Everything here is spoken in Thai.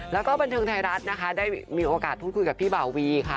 แล้วก็บันเทิงไทยรัฐนะคะได้มีโอกาสพูดคุยกับพี่บ่าวีค่ะ